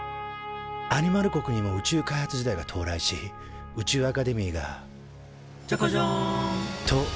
アニマル国にも宇宙開発時代が到来し宇宙アカデミーが「じゃかじゃん！」と誕生。